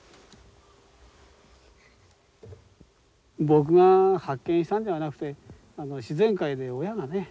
僕が発見したんではなくて自然界で親がね